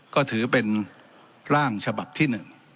ก็ถือเป็นร่างฉบับที่๑